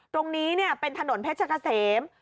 ตรงนี้เป็นถนนเพชรเกษม